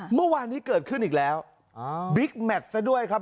เมื่อวานนี้เกิดขึ้นอีกแล้วบิ๊กแมทซะด้วยครับ